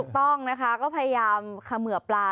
ต้องนะคะก็พยายามเขมือบปลา